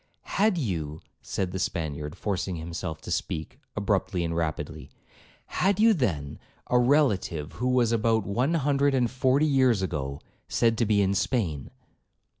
'Had you,' said the Spaniard, forcing himself to speak, abruptly and rapidly, 'had you, then, a relative who was, about one hundred and forty years ago, said to be in Spain.'